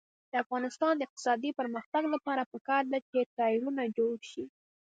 د افغانستان د اقتصادي پرمختګ لپاره پکار ده چې ټایرونه جوړ شي.